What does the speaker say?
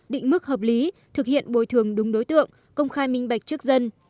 định mức hợp lý thực hiện bồi thường đúng đối tượng công khai minh bạch trước dân